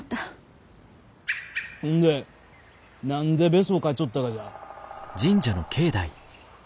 ほんで何でベソかいちょったがじゃ？